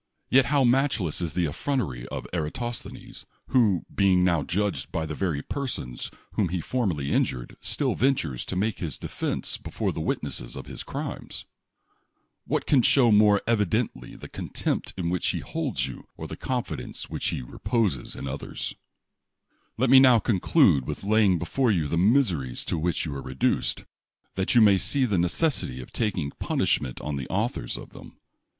Yet how matchless is the effrontery of Eratosthenes, who, being now judged by the verv^ persons whom he formerly injured, still ventures to make his defense before the witnesses of his crimes? What can show more evidently the contempt in which he liolds 62 1 .^'SIAS LYSI AS you, or the confitlencc Avliicli he reposes in others? Let me now eonclnde with laying before you the miseries to which you were rethieed, that you may see the necessity of talcing punishment on the authors of them.